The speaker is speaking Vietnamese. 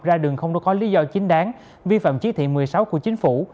ra đường không đối có lý do chính đáng vi phạm chí thị một mươi sáu của chính phủ